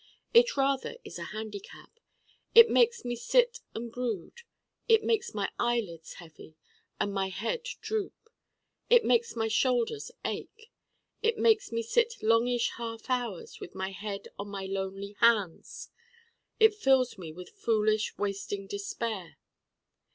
It rather is a handicap. It makes me sit and brood. It makes my eyelids heavy and my head droop. It makes my shoulders ache. It makes me sit longish half hours with my head on my lonely hands. It fills me with foolish wasting despair.